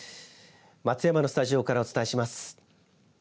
松山のスタジオからお伝えします。